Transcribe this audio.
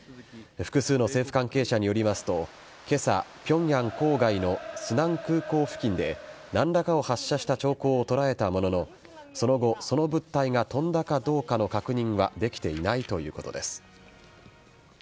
複数の政府関係者によりますと、けさ、ピョンヤン郊外のスナン空港付近で、なんらかを発射した兆候を捉えたものの、その後、その物体が飛んだかどうかの確認はできていないということです。